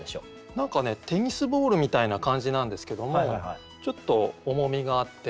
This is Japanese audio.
何かねテニスボールみたいな感じなんですけどもちょっと重みがあって。